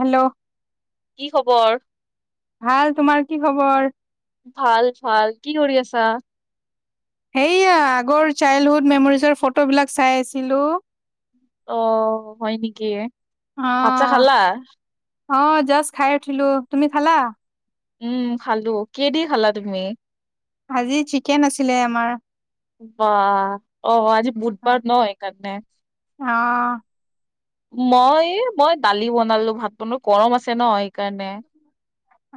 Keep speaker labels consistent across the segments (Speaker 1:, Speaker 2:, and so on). Speaker 1: Hello,
Speaker 2: কি খবৰ?
Speaker 1: ভাল। তোমাৰ কি খবৰ?
Speaker 2: ভাল ভাল। কি কৰি আছা?
Speaker 1: সেয়া আগৰ চাইল্ডহুড মেমৰিজৰ ফটোবিলাক চাই আছিলো।
Speaker 2: অ হয় নেকি। ভাত চাত
Speaker 1: অ',
Speaker 2: খালা?
Speaker 1: অ জাষ্ট খাই উঠিলো। তুমি খালা?
Speaker 2: উম খালো। কিহেদি খালা তুমি?
Speaker 1: আজি চিকেন আছিলে আমাৰ।
Speaker 2: বাহ অ আজি
Speaker 1: অ'।
Speaker 2: বুধবাৰ নহ সেইকাৰণে
Speaker 1: অ',
Speaker 2: মই মই দালি বনালো ভাতটো ন গৰম আছে ন সেইকাৰণে।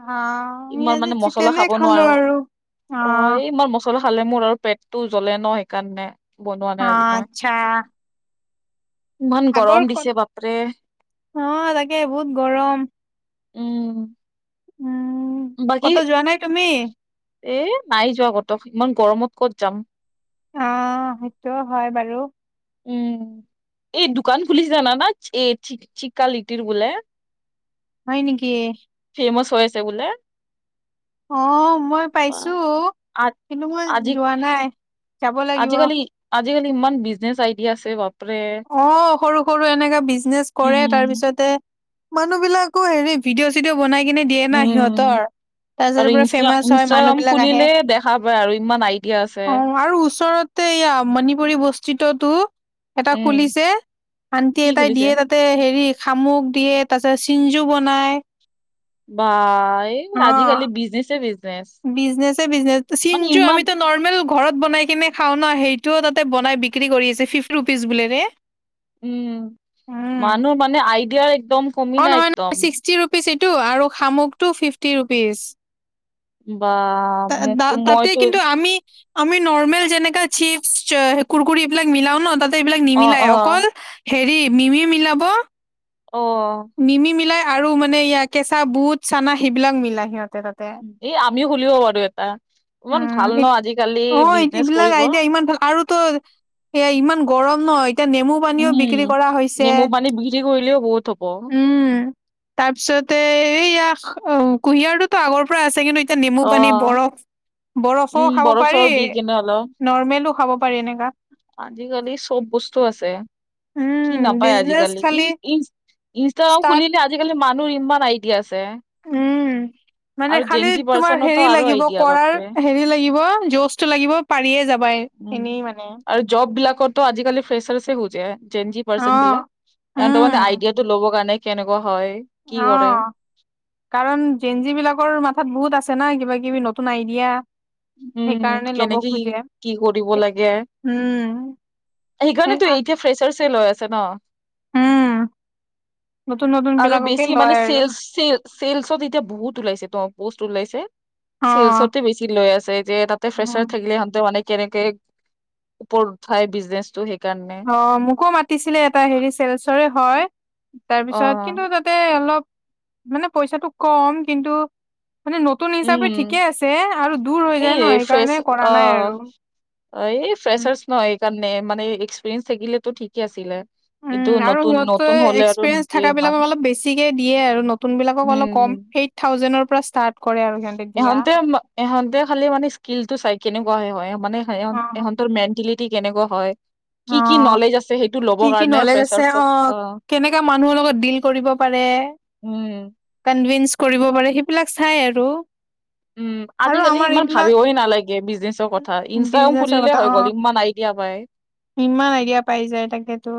Speaker 1: আমি
Speaker 2: ইমান
Speaker 1: আজি
Speaker 2: মানে মচলা
Speaker 1: চিকেনে
Speaker 2: খাব
Speaker 1: খালো
Speaker 2: নোৱাৰো
Speaker 1: আৰু।
Speaker 2: অ এই ইমান মচলা লা খালে মোৰ আৰু পেট টো জ্বলে ন সেইকাৰণে। বনোৱা নাই
Speaker 1: অ
Speaker 2: আজি মই।
Speaker 1: আচ্ছা।
Speaker 2: ইমান
Speaker 1: আগৰ
Speaker 2: গৰম দিছে।
Speaker 1: ক'ত
Speaker 2: বাপৰে।
Speaker 1: অ তাকে বহুত গৰম।
Speaker 2: উম।
Speaker 1: উম
Speaker 2: বাকী
Speaker 1: কটো যোৱা নাই তুমি?
Speaker 2: এ নাই যোৱা কটো ইমান গৰমত ক'ত যাম।
Speaker 1: আহ সেইটো হয় বাৰু।
Speaker 2: উম, এই দোকান খুলিছে জানা না এ এচিকা লিটিৰ বোলে।
Speaker 1: হয় নেকি?
Speaker 2: ফেমছ হৈ আছে বোলে।
Speaker 1: অ মই
Speaker 2: আহ,
Speaker 1: পাইছো
Speaker 2: আ-
Speaker 1: কিন্তু মই
Speaker 2: আজি
Speaker 1: যোৱা নাই। যাব লাগিব।
Speaker 2: আজিকালি আজিকালি ইমান বিজনেছ আইডিয়া আছে বাপৰে।
Speaker 1: অ সৰু সৰু এনেকাে বিজনেচ কৰে
Speaker 2: উম।
Speaker 1: তাৰপিছতে মানুহ বিলাকো হেৰি ভিডিঅ' চিডিঅও বনাই কিনে দিয়ে নাই
Speaker 2: উম,
Speaker 1: সিহঁতৰ তাৰ
Speaker 2: আৰু
Speaker 1: পিছতে পুৰা
Speaker 2: ইনষ্টা
Speaker 1: ফেমাচ হয় মানুহ
Speaker 2: ইনষ্টাগ্ৰাম
Speaker 1: বিলাক আহে
Speaker 2: খুলিলে দেখা পায় আৰু ইমান আইডিয়া আছে।
Speaker 1: অ আৰু ওচৰত তে মণিপুৰী বস্তিততো এটা
Speaker 2: উম,
Speaker 1: খুলিছে ভানটি
Speaker 2: কি
Speaker 1: এটাই
Speaker 2: খুলিছে
Speaker 1: দিয়ে তাতে হেৰি খামুক দিয়ে তাৰপিছত চিঞ্জু বনাই।
Speaker 2: বা এই আজিকালি বিজনেচ এই বি
Speaker 1: বিজনেচ এ বিজনেচ চিঞ্জু
Speaker 2: ইমান
Speaker 1: আমিতো নৰ্মেল ঘৰত বনাই কিনে খাও ন সেইটোও তাতে বনাই বিক্ৰী কৰি আছে ফিফটি ৰুপিজ বুল ৰে।
Speaker 2: উম মানুহ মানে আইডিয়া একদম কমি নাই একদম।
Speaker 1: টো আৰু শামুকটো ফিফটি ৰুপিজ।
Speaker 2: বা মোকতো
Speaker 1: তাতে
Speaker 2: মইতো
Speaker 1: কিন্তু আমি আমি নৰ্মেল যেনেকা চিপছ কুৰকৰি এইবিলাক মিলাও ন তাতে এইবিলাক
Speaker 2: অ',
Speaker 1: নিমিলাই অকল
Speaker 2: অ',
Speaker 1: হেৰি মিমি মিলাব
Speaker 2: অ
Speaker 1: মিমি মিলাই আৰু মানে এইয়া কেঁচা বুট চানা সেইবিলাক মিলা সিহঁত
Speaker 2: এ আমিও খুলিব পাৰো এটা। ইমান
Speaker 1: উম,
Speaker 2: ভাল ন আজিকালি
Speaker 1: অ,
Speaker 2: বিজনেচ
Speaker 1: এইবিলাক
Speaker 2: কৰিব।
Speaker 1: আইডিয়া ইমান ভাল আৰুতো সেয়া ইমান গৰম ন' এতিয়া নেমু পানীও
Speaker 2: উম।
Speaker 1: বিক্ৰী কৰা হৈছে,
Speaker 2: নেমু পানী বিক্ৰী কৰিলেও বহুত হ'ব।
Speaker 1: উম, উম, তাৰপিছতে এইয়া কুঁহিয়াৰটোতো আগৰ পৰা আছে কিন্তু তিয়া নেমু পানী
Speaker 2: অ',
Speaker 1: বৰফ বৰফো
Speaker 2: উম,
Speaker 1: খাব
Speaker 2: বৰফ
Speaker 1: পাৰি
Speaker 2: চৰফ দি কিনে অলপ।
Speaker 1: নৰ্মেলো খাব পাৰি এনেকা।
Speaker 2: আজিকালি চব বস্তু আছে, কি
Speaker 1: উম,
Speaker 2: নাপায়
Speaker 1: বিজনেচ
Speaker 2: আজিকালি
Speaker 1: খালি
Speaker 2: [unintelligible] [unintelligible]
Speaker 1: ষ্টাৰ্ট
Speaker 2: খুলিলে আজিকালি মানুহ ইমান আইডিয়া আছে।
Speaker 1: উম, মানে
Speaker 2: আৰু
Speaker 1: খালি
Speaker 2: জেনজি
Speaker 1: তোমাৰ
Speaker 2: পাৰ্চনতো
Speaker 1: হেৰি
Speaker 2: আৰু
Speaker 1: লাগিব
Speaker 2: আইডিয়া
Speaker 1: কৰাৰ,
Speaker 2: বাপৰে
Speaker 1: হেৰি লাগিব যশটো লাগিব পাৰিয়ে যাবা,
Speaker 2: উম।
Speaker 1: এনেই মানে।
Speaker 2: আৰু জব বিলাকততো আজিকালি ফ্ৰেচাৰ্ছয়ে [unintelligible] জেঞ্জী পাৰ্চন
Speaker 1: অ',
Speaker 2: বিলাক, সেহতৰটো মানে
Speaker 1: উম,
Speaker 2: আইডিয়াটো ল'ব কাৰণে কেনেকুৱা হয়, কি কৰে।
Speaker 1: অ', কাৰণ জেঞজি বিলাকৰ মাথাত বহুত আছ ছে না কিবা কিবি নতুন আইডিয়া।
Speaker 2: উম,
Speaker 1: সেইকাৰণে ল'ব
Speaker 2: কেনেকে কি
Speaker 1: খোজে।
Speaker 2: কি কৰিব লাগে।
Speaker 1: উম, সেই
Speaker 2: সেইকাৰণেতো
Speaker 1: আ-
Speaker 2: এতিয়া ফ্ৰেছাৰচে লৈ আছে ন'।
Speaker 1: উম, নতুন নতুন
Speaker 2: আৰু
Speaker 1: বিলাককে
Speaker 2: বেছি মানে
Speaker 1: লয় আৰু
Speaker 2: চেলছ চেলচত এতিয়া বহুত ওলাইছেত পষ্ট ওলাইছে।
Speaker 1: অ',
Speaker 2: শিলচৰটো বেছি লৈ আছে যে তাতে
Speaker 1: উম,
Speaker 2: প্ৰছাৰ থাকিলে হিহঁতেও অনেক কেনেকে ওপৰত উঠাই বিজনেচ টো
Speaker 1: অ মোকো মাতিছিলে এটা হেৰি চেলচৰে হয়
Speaker 2: অ
Speaker 1: তাৰপিছত কিন্তু তাতে অলপ মানে পইচাটো কম কিন্তু মানে নতুন হিচাপে ঠিকে
Speaker 2: উম।
Speaker 1: আছে আৰু দূৰ হৈ যায় ন
Speaker 2: এই ফ্ৰেছ
Speaker 1: সেইকাৰণে কৰা নাই আৰু
Speaker 2: অ এই
Speaker 1: উম
Speaker 2: ফ্ৰেচাৰছ নহয় এইকাৰণে মানে এক্সপিৰিয়েঞ্চ থাকিলেতো ঠিকে আছিলে
Speaker 1: উম,
Speaker 2: কিন্তু
Speaker 1: আৰু
Speaker 2: নতুন
Speaker 1: সতো
Speaker 2: নতুন হ'লে আৰু
Speaker 1: এক্সপিৰিয়েঞ্চ
Speaker 2: নিদিয়ে
Speaker 1: থকা বিলাক
Speaker 2: ইমান
Speaker 1: অলপ বেছিকে দিয়ে আৰু নতুন বিলাকক অলপ কম
Speaker 2: উম।
Speaker 1: এইট থাউজেড
Speaker 2: ইহঁতে ইহঁতে খালি মানে স্কিলটো চাই কেনেকুৱে হয়। মানে
Speaker 1: অ',
Speaker 2: ইহঁতৰ মেন্টেলিটি কেনেকুৱা হয়। কি
Speaker 1: অ
Speaker 2: কি নলেজ আছে সেইটো ল'ব
Speaker 1: কি কি
Speaker 2: কাৰণে
Speaker 1: নলেজ আছে
Speaker 2: ফ্ৰেচাৰ্চক
Speaker 1: অ কেনেকাে মানুহৰ লগত ডিল কৰিব পাৰে এ
Speaker 2: উম।
Speaker 1: কনভিন্স কৰিব পাৰে সেইবিলাক চাই আৰু।
Speaker 2: উম,
Speaker 1: আৰু
Speaker 2: আজিকালি
Speaker 1: আমাৰ
Speaker 2: ইমান
Speaker 1: এইবিলাক
Speaker 2: ভাবিবই নালাগে বিজনেচৰ কথা। ইনষ্টাগ্ৰাম
Speaker 1: বিজনেচৰ
Speaker 2: খুলিলে
Speaker 1: কথা
Speaker 2: হৈ গ'ল,
Speaker 1: অ',
Speaker 2: ইমান আইডিয়া। যাবাই
Speaker 1: ইমান আইডিয়া পাই যায় তাকেতো।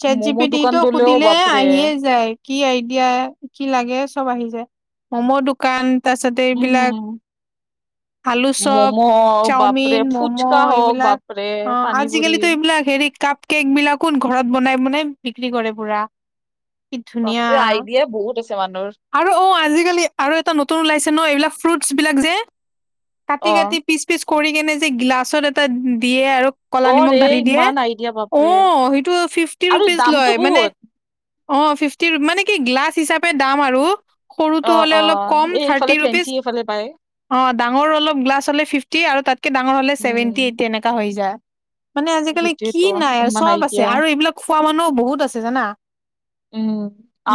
Speaker 1: চেট জি
Speaker 2: ম'ম'
Speaker 1: পি
Speaker 2: দোকান
Speaker 1: টিতো
Speaker 2: দিলেও
Speaker 1: সুধিলে
Speaker 2: বাপৰে
Speaker 1: আহিয়ে যায়, কি আইডিয়া, কি লাগে চব আহি যায়। ম'ম' দোকান, তাৰছতে এইবিলাক
Speaker 2: উম
Speaker 1: আলু চপ,
Speaker 2: ম'ম' বাপৰে
Speaker 1: চাওমিন, ম'ম'
Speaker 2: ফুচকা হওক
Speaker 1: এইবিলাক।
Speaker 2: বাপৰে
Speaker 1: অ, আজি
Speaker 2: পানী পুৰি
Speaker 1: আজিকালিটো এইবিলাক হেৰি কাপ কেক বিলাকো ঘৰত বনাই বনাই বিক্ৰী কৰে পুৰা। কি ধুনীয়া!
Speaker 2: বাপৰে আইডিয়া বহুত আছে মানুহৰ
Speaker 1: আৰু অ, আজিকালি আৰু এটা নতুন ওলাইছে ন? এইবিলাক ফ্ৰুটছ বিলাক যে
Speaker 2: অ
Speaker 1: কাটি-কাটি, পিচ-পিচ কৰি কেনে যে গিলাচত এটা দিয়ে আৰু, ক'লা
Speaker 2: অ
Speaker 1: নিমখ
Speaker 2: ৰে
Speaker 1: ঢালি দিয়ে,
Speaker 2: ইমান আইডিয়া বাপৰে
Speaker 1: অহ, সেইটো ফিফ্টি
Speaker 2: আৰু
Speaker 1: ৰুপিছ
Speaker 2: দামটো
Speaker 1: লয়। মানে
Speaker 2: বহুত
Speaker 1: অ, ফিফটি মানে কি গ্লাছ হিচাপে দাম আৰু।
Speaker 2: অ
Speaker 1: সৰুটো হ'লে
Speaker 2: অ
Speaker 1: অলপ কম
Speaker 2: এই
Speaker 1: থাৰ্টি
Speaker 2: এইফালে
Speaker 1: ৰুপিচ।
Speaker 2: ফেঞ্চি এইফালে পায়
Speaker 1: অ, ডাঙৰ অলপ গ্লাছ হ'লে ফিফটি আৰু তাতকে ডাঙৰ হ'লে
Speaker 2: উম
Speaker 1: চেভেনটি এইট এনেকুৱা হৈ যায়। মানে আজিকালি কি
Speaker 2: সেইটোয়েতো
Speaker 1: নাই? আৰু
Speaker 2: ইমান
Speaker 1: চব আছে
Speaker 2: আইডিয়া
Speaker 1: আৰু এইবিলাক খোৱা মানুহও বহুত আছে জানা।
Speaker 2: উম,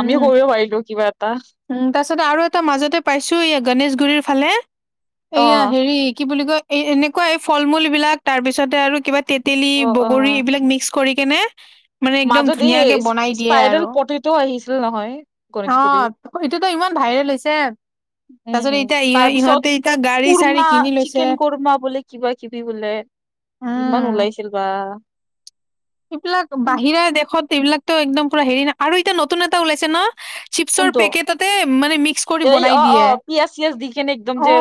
Speaker 2: আমিও কৰিব পাইলো কিবা এটা।
Speaker 1: তাৰপাছত আৰু এটা মাজতে পাইছো এই গনেশগুৰিৰ ফালে,
Speaker 2: অ
Speaker 1: এইয়া হেৰি কি বুলি কয় এই এনেকুৱা এই ফল-মূলবিলাক তাৰ পিছতে আৰু কিবা তেতেলী,
Speaker 2: অ অ
Speaker 1: বগৰী এইবিলাক মিক্স কৰি কেনে মানে একদম
Speaker 2: মাজত
Speaker 1: ধুনীয়াকে
Speaker 2: এই
Speaker 1: বনাই দিয়ে
Speaker 2: স্পাইৰেল
Speaker 1: আৰু
Speaker 2: পটেটো আহিছিল নহয় গণেশগুৰিত
Speaker 1: অহ। এইটোতো ইমান ভাইৰেল হৈছে। তাৰপিছত
Speaker 2: উম,
Speaker 1: এতিয়া ইহ
Speaker 2: তাৰপিছত
Speaker 1: ইহঁতে এতিয়া গাড়ী চাড়ী
Speaker 2: কুৰ্মা,
Speaker 1: কিনি লৈছে।
Speaker 2: চিকেন কুৰৰ্মা বোলে কিবা-কিবি বোলে। ইমান ওলাইছিল বা।
Speaker 1: এইবিলাক
Speaker 2: উম
Speaker 1: বাহিৰা দেশত এইবিলাকতো একদম পুৰা হেৰি নাই, আৰু এতিয়া নতুন এটা ওলাইছে ন? চিপছ্ ৰ
Speaker 2: কোনটো
Speaker 1: পেকেটতে মানে মিক্স কৰি
Speaker 2: এই
Speaker 1: বনাই
Speaker 2: অ অ
Speaker 1: দিয়ে।
Speaker 2: পিয়াজ চিয়াজ দি কেনে একদম
Speaker 1: অ
Speaker 2: যে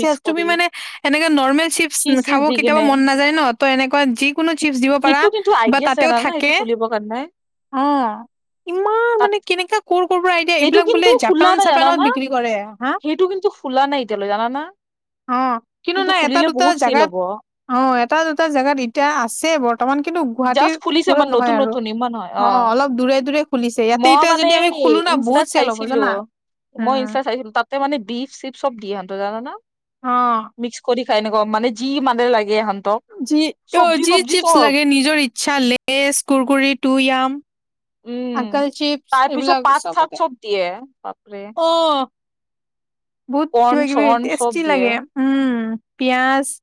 Speaker 2: মিক্স
Speaker 1: তুমি
Speaker 2: কৰি
Speaker 1: মানে, এনেকে নৰ্মেল চিপছ্
Speaker 2: চীজ চিজ
Speaker 1: খাব
Speaker 2: দি
Speaker 1: কেতিয়াবা
Speaker 2: কেনে
Speaker 1: মন নাযাই ন? ত এনেকুৱা যিকোনো চিপছ্ দি ও
Speaker 2: সেইটো কিন্তু আ
Speaker 1: বা তাতেও থাকে। অ ইমান
Speaker 2: তাত
Speaker 1: মানে কেনেকা কৰ ফাই ডে
Speaker 2: সেইটো
Speaker 1: এইবিলাক বোলে
Speaker 2: কিন্তু ফুলা নাই
Speaker 1: জাপান-চাপানত
Speaker 2: জানানা
Speaker 1: বিক্ৰী কৰে। হা?
Speaker 2: সেইটো কিন্তু ফুলা নাই এতিয়ালৈ জানানা
Speaker 1: অ, কিন্তু নাই এটা
Speaker 2: ফুলিলে
Speaker 1: দুটা
Speaker 2: বহুত চেল
Speaker 1: জেগাত
Speaker 2: হ'ব
Speaker 1: অ, এটা দুটা জেগাত এতিয়া আছে বৰ্তমান। কিন্তু গুৱাহাটীৰ,
Speaker 2: জাষ্ট ফুলিছে
Speaker 1: ওচৰত
Speaker 2: মানে
Speaker 1: নহয়
Speaker 2: নতুন
Speaker 1: আৰু
Speaker 2: নতুন ইমান হয়
Speaker 1: অ, অলপ দূৰে-দূৰে খুলিছে। ইয়াতে
Speaker 2: মই
Speaker 1: এতিয়া
Speaker 2: মানে
Speaker 1: যদি আমি খোলো না বহুত
Speaker 2: ইনষ্টাত
Speaker 1: চেল হ'ব
Speaker 2: চাইছিলো,
Speaker 1: জানা।
Speaker 2: মই
Speaker 1: উম।
Speaker 2: ইনষ্টাত চাইছিলো। তাতে মানে বিফ-চিফ চব দি হেহত জানা না?
Speaker 1: আহ।
Speaker 2: তেনেকুৱা মানে যি মানে লাগে,
Speaker 1: যি অ
Speaker 2: চব্জি
Speaker 1: যি
Speaker 2: তবজি
Speaker 1: চিপছ্
Speaker 2: চব
Speaker 1: লাগে, নিজৰ ইচ্ছা-লেইচ, কুৰকুৰি, টু য়াম
Speaker 2: উম
Speaker 1: আঙ্কেল চিপছ্
Speaker 2: তাৰ পিছত
Speaker 1: এইবিলাক
Speaker 2: পাত চাত
Speaker 1: চবতে,
Speaker 2: চব দিয়ে বাপৰে
Speaker 1: অ, বহুত
Speaker 2: কৰ্ণ
Speaker 1: কিবা কিবি
Speaker 2: চৰ্ণ চব
Speaker 1: টেষ্টি
Speaker 2: দিয়ে
Speaker 1: লাগে। উম, পিয়াজ-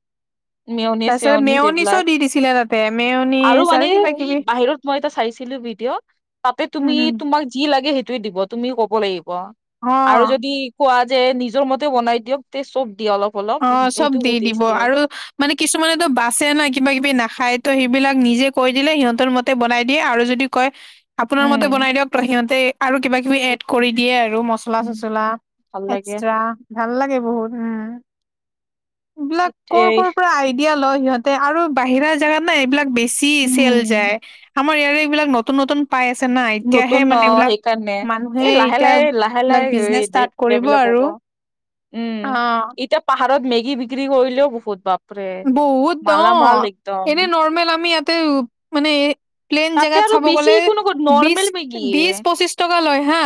Speaker 2: মেওনি
Speaker 1: তাৰপিছত
Speaker 2: চেওনি
Speaker 1: মেয়নিছো
Speaker 2: এইবিলাক
Speaker 1: দি দিছিলে তাতে, মেয়নিছ আৰু কিবা কিবি।
Speaker 2: চিলো ভিডিঅ, তাতে তুমি
Speaker 1: উম,
Speaker 2: তোমাক যি লাগে হেই টোৱে দিব, তুমি ক'ব লাগিব। আৰু
Speaker 1: অ'।
Speaker 2: যদি কোৱা যে নিজৰ মতে বনাই দিয়ক, তে চব দি অলপ-অলপ,
Speaker 1: অ চব
Speaker 2: সেইটো
Speaker 1: দি
Speaker 2: বহুত
Speaker 1: দিব
Speaker 2: টেষ্টি হয়।
Speaker 1: আৰু মানে কিছুমানেতো বাচে না, কিবা-কিবি নাখায় তো সেইবিলাক নিজে কৈ দিলে সিহঁতৰ মতে বনাই দিয়ে। আৰু যদি বুলি কয়। আপোনাৰ মতে
Speaker 2: উম
Speaker 1: বনাই দিয়ক ত সিহঁতে আৰু কিবা কিবি এড
Speaker 2: বহুত
Speaker 1: কৰি দিয়ে আৰু
Speaker 2: উম,
Speaker 1: মচলা-চচলা।
Speaker 2: ভাল লাগে
Speaker 1: এক্সট্ৰা, ভাল লাগে বহুত উম। এইবিলাক
Speaker 2: এইটোৱেই
Speaker 1: ক'ৰ-ক'ৰ পৰা আইডিয়া লয় সিহঁতে আৰু বাহিৰা জেগাত না এইবিলাক বেছি, বেছি চেল যায়। আমাৰ ইয়াৰে এইবিলাক নতুন নতুন পাই আছে না এতিয়াহে
Speaker 2: নতুন ন
Speaker 1: মানে এইবিলাক
Speaker 2: সেইকাৰণে
Speaker 1: মানুহে
Speaker 2: এই লাহে
Speaker 1: এতিয়া
Speaker 2: লাহে লাহে লাহে
Speaker 1: এইবিলাক
Speaker 2: এই
Speaker 1: বিজনেচ ষ্টাৰ্ট কৰিব
Speaker 2: ডেভেলপ
Speaker 1: আৰু
Speaker 2: উম
Speaker 1: অ
Speaker 2: এতিয়া পাহাৰত মেগী বিক্ৰী কৰিলেও বহুত ভাল।
Speaker 1: বহুত দ এনে নৰ্মেল আমি ইয়াতে মানে প্লেন
Speaker 2: তাতে
Speaker 1: জেগাত
Speaker 2: আৰু
Speaker 1: চাব
Speaker 2: বেছি
Speaker 1: গ'লে
Speaker 2: একো নকয়
Speaker 1: বিশ
Speaker 2: নৰ্মেল মেগীয়ে
Speaker 1: বিশ পঁচিছ টকা। হা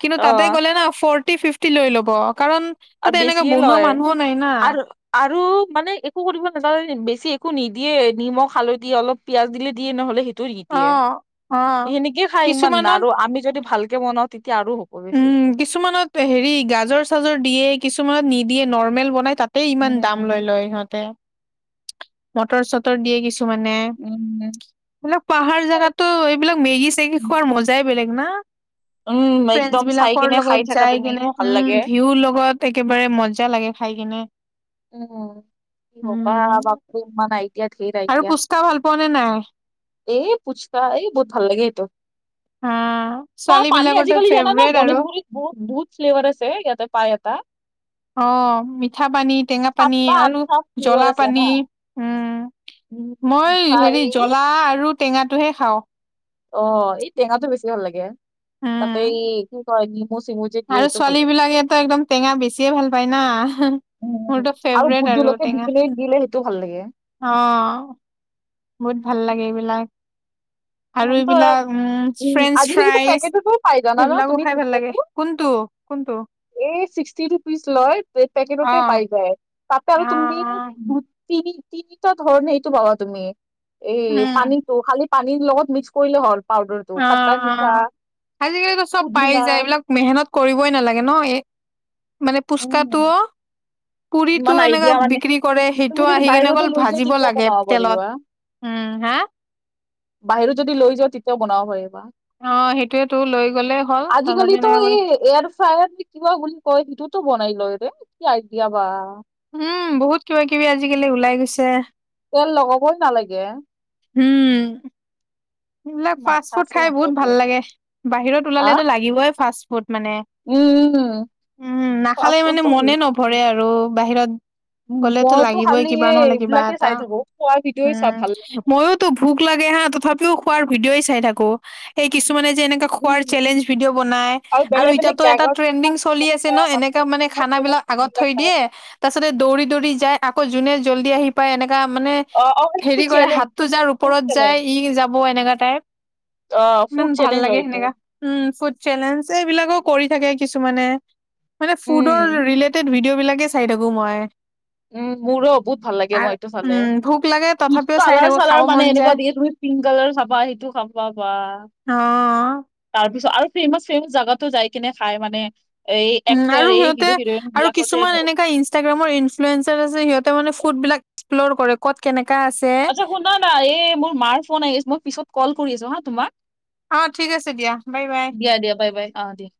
Speaker 1: কিন্তু তাতে
Speaker 2: অ
Speaker 1: গলে ন ফৰ ফিফটি লৈ ল'ব কাৰণ তাতে
Speaker 2: আৰু
Speaker 1: এনেকে
Speaker 2: বেছিয়ে
Speaker 1: বনোৱা
Speaker 2: লয়
Speaker 1: মানুহো নাই না
Speaker 2: আৰু-আৰু মানে একো কৰিব নযানে বেছি একো নিদিয়ে নিমখ হালধি অলপ পিয়াজ দিলে দিয়ে নহ'লে সেইটো
Speaker 1: অ
Speaker 2: ত
Speaker 1: অ
Speaker 2: সেনেকিয়ে খাই ইমান
Speaker 1: কিছুমানত
Speaker 2: আৰু আমি যদি ভালকে বনাও তেতিয়া আৰু হ
Speaker 1: উম কিছুমানত হেৰি গাজৰ চাজৰ দিয়ে কিছুমানত নিদিয়ে নৰ্মেল বনাই তাত তে ইমান দাম লৈ
Speaker 2: উম
Speaker 1: লয় ইহঁতে মটৰ চটৰ দিয়ে কিছু মানে
Speaker 2: উম
Speaker 1: এইিলাক পাহাৰ জোগাতো এইবিলাক মেগি চেগি খোৱাৰ মজাই বেলেগ। [unintelligible]
Speaker 2: উম
Speaker 1: ফ্ৰেণ্ডছ
Speaker 2: একদম চাই
Speaker 1: বিলাকৰ
Speaker 2: কেনে খাই
Speaker 1: লগত
Speaker 2: থাকা
Speaker 1: যাই
Speaker 2: তুমি
Speaker 1: কেনে
Speaker 2: মোৰ ভাল লাগে
Speaker 1: উম ভিউৰ লগত একেবাৰে মজা লাগে খাই কেনে
Speaker 2: উম, হব বাপৰে ইমান এতিয়া ধেৰা
Speaker 1: আৰু
Speaker 2: এতিয়া
Speaker 1: পুচকা ভাল পোৱা নে নাই
Speaker 2: এ পুচকা এই বহুত ভাল লাগে এইটো
Speaker 1: উম,
Speaker 2: ত পানী আজিকালি জানা না গনেশগুৰিত বহুত বহুত ফ্লেভাৰ আছে ইয়াতে পায় এটা।
Speaker 1: অ' মিঠা পানী টেঙা পানী
Speaker 2: সাতটা
Speaker 1: আৰু
Speaker 2: আঠটা ফ্লেভাৰ
Speaker 1: জলা
Speaker 2: আছে জানা
Speaker 1: পানী উম,
Speaker 2: উম,
Speaker 1: মই
Speaker 2: খাই
Speaker 1: হেৰি জ্বলা আৰু টেঙাটোহে খাওঁ।
Speaker 2: অ' এই টেঙা টো বেছি ভাল লাগে তাতে
Speaker 1: উম
Speaker 2: এই কি কয় নেমু-চেমু।
Speaker 1: আৰু ছোৱালী বিলাকেতো একদম টেঙা বেছিয়ে ভাল পায় না।
Speaker 2: উম-উম
Speaker 1: মোৰতো
Speaker 2: আৰু
Speaker 1: ফেভৰেট
Speaker 2: ভোট জোলকিয়া
Speaker 1: টেঙা
Speaker 2: দিলে সেইটো ভাল লাগে।
Speaker 1: অ, বহুত ভাল লাগে এইবিলাক। আৰু
Speaker 2: এখন তো এক-
Speaker 1: এইবিলাক উম, ফ্ৰেঞ্চ
Speaker 2: আজিকালিতো
Speaker 1: ফ্ৰাইচ
Speaker 2: পেকেটতো পাই জানা ন
Speaker 1: সেইবিলাকো
Speaker 2: তুমি
Speaker 1: খাই ভাল লাগে কোনটো? টো কোনটো?
Speaker 2: এ ছিক্সটি ৰুপিজ লয়
Speaker 1: অ
Speaker 2: পেকেটতে পাই যায়। তাতে
Speaker 1: অ অ
Speaker 2: আৰু তুমি দু তিনি-তিনিটা ধৰণে এইটো পাবা তুমি। এই
Speaker 1: উম
Speaker 2: পানীটো খালি পানীৰ লগত মিক্স কৰিলে হ'ল। পাউদাৰটো
Speaker 1: আ',
Speaker 2: খাট্টা মিঠা
Speaker 1: আ', আজিকালিতো চব পাই
Speaker 2: পুদিনা
Speaker 1: যায় এইবিলাক মেহনত কৰিবই নালাগে ন' এই মানে
Speaker 2: উম,
Speaker 1: পুচকাটোও পুৰিটো
Speaker 2: ইমান
Speaker 1: এনেকা
Speaker 2: আইডিয়া মানে
Speaker 1: বিক্ৰী কৰে
Speaker 2: তুমি
Speaker 1: সেইটো
Speaker 2: যদি
Speaker 1: আহি কেনে
Speaker 2: বাহিৰতো
Speaker 1: অকল
Speaker 2: লৈ যোৱা
Speaker 1: ভাজিব
Speaker 2: তেতিয়া
Speaker 1: লাগে
Speaker 2: বনাব পাৰিবা
Speaker 1: তেলত। উম হা
Speaker 2: বাহিৰত যদি লৈ যাওঁ তেতিয়াও বনাব পাৰিব
Speaker 1: অ সেইটোয়েতো লৈ গ'লে হ'ল তাৰপাছতে
Speaker 2: আজিকালিতো
Speaker 1: এনেকা
Speaker 2: এই
Speaker 1: কৰি
Speaker 2: এয়াৰ ফায়াৰ কিবা বুলি কয় সেইটোতো বনাই লয়ৰে কি আই দিয়াবা
Speaker 1: উম বহুত কিবা কিবি আজিকালি ওলাই গৈছে
Speaker 2: তেল লগাবই নালাগে
Speaker 1: হুম সেবিলাক ফাষ্ট
Speaker 2: মাথা
Speaker 1: ফুড
Speaker 2: আছে
Speaker 1: খাই
Speaker 2: সিহঁতৰ
Speaker 1: বহুত ভাল লাগে বাহিৰত
Speaker 2: আ
Speaker 1: ওলালেতো লাগিবই ফাষ্ট ফুড মানে
Speaker 2: উম
Speaker 1: উম নাখালে
Speaker 2: ফাষ্ট
Speaker 1: মানে
Speaker 2: ফুডটো ভাল
Speaker 1: মনে
Speaker 2: লাগে।
Speaker 1: নভৰে আৰু বাহিৰত গ'লেতো
Speaker 2: মইতো
Speaker 1: লাগিবই
Speaker 2: খালি
Speaker 1: কিবা
Speaker 2: এই
Speaker 1: নহ'লে কিবা
Speaker 2: এইবিলাকে
Speaker 1: এটা
Speaker 2: চাই থাকো খোৱা ভিডিঅ'ই চাই
Speaker 1: উম
Speaker 2: ভাল লাগে।
Speaker 1: ময়োতো ভোক লাগ হা তথাপিও খোৱাৰ ভিডিঅই চাই থাকোঁ মানে যে এনে খোৱাৰ
Speaker 2: উম
Speaker 1: চেলেঞ্জ ভিডিঅ' বনাই আৰু
Speaker 2: বেলেগ বেলেগ
Speaker 1: ইতাতো এটা
Speaker 2: জাগাত
Speaker 1: ট্ৰেণ্ডিং
Speaker 2: ইমান
Speaker 1: চলি
Speaker 2: ধুনীয়া
Speaker 1: আছে ন
Speaker 2: ধুনীয়া
Speaker 1: এনেকা মানে
Speaker 2: ফেমাচ
Speaker 1: খানা
Speaker 2: ফেমাচ
Speaker 1: বিলাক আগত
Speaker 2: ফুডবিলাক
Speaker 1: থৈ
Speaker 2: পায়
Speaker 1: দিয়ে তাৰ পাছতে দৌৰি দৌৰি যায় আকৌ যোনে জল্দি আহি পায় এনেক একা মানে
Speaker 2: অ অ সেইটো
Speaker 1: হেৰি কৰে
Speaker 2: চেলেঞ্জ
Speaker 1: হাতটো যাৰ
Speaker 2: ফুড
Speaker 1: ওপৰত যায়
Speaker 2: চেলেঞ্জ
Speaker 1: ই যাব এনেকা টাইপ
Speaker 2: অ
Speaker 1: ইমান
Speaker 2: ফুড
Speaker 1: ভাল
Speaker 2: চেলেঞ্জ
Speaker 1: লাগে
Speaker 2: হয় এইটো
Speaker 1: সেনেকা উম ফু চেলেঞ্জ এইবিলাক কৰি থাকে কিছুে মানে ফুডৰ
Speaker 2: উম
Speaker 1: ৰিলেটেড ভিডিঅ' সেই বিলাকে চাই থাকোঁ মই
Speaker 2: উম মোৰো বহুত ভাল লাগে মই
Speaker 1: আৰু
Speaker 2: এইটো ফালে
Speaker 1: উম, ভোক লাগে তথাপিও চাই
Speaker 2: কালাৰ
Speaker 1: থাকো
Speaker 2: চালাৰ
Speaker 1: খাব
Speaker 2: মানে
Speaker 1: মন যায়।
Speaker 2: এনেকুৱা দিয়ে তুমি পিংক কালাৰ চাব বা সেইটো খাবা বা
Speaker 1: অ',
Speaker 2: তাৰ তাৰপিছত আৰু ফেমাচ ফেমাচ জাগাতো যাই কিনে খাই মানে এই
Speaker 1: উম
Speaker 2: এক্টাৰ
Speaker 1: আৰু
Speaker 2: এই
Speaker 1: সিহঁতে
Speaker 2: হিৰো হিৰইন
Speaker 1: আৰু
Speaker 2: বিলাকৰ যে
Speaker 1: কিছুমান এনেকা ইনষ্টাগ্ৰামৰ ফ্লুৱেঞ্চাৰ আছে সিহঁতে মানে ফুডবিলাক, একস্লৰ কৰে ক'ত কেনেকে
Speaker 2: আচ্ছা শুনা না এই মোৰ মাৰ ফোন আহি আছে মই পিছত কল কৰি আছোঁ হা তোমাক।
Speaker 1: অ', ঠিক আছে দিয়া বাই বাই।
Speaker 2: দিয়া, দিয়া বাই, বাই আহ দিয়া।